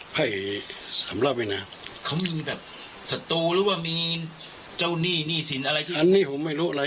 ไผ่สามรอบไว้นะเขามีแบบศัตรูหรือว่ามีเจ้าหนี้หนี้สินอะไรที่อันนี้ผมไม่รู้อะไร